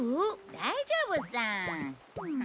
大丈夫さ。